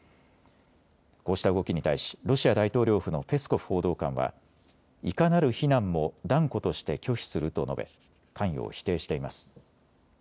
こうした動きに対しロシア大統領府のペスコフ報道官はいかなる非難も断固として拒否すると述べ関与を否定しています。